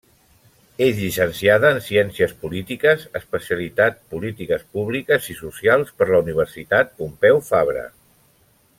És llicenciada en Ciències Polítiques, especialitat polítiques públiques i socials per la Universitat Pompeu Fabra.